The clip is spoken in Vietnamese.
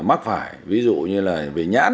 mắc phải ví dụ như là về nhãn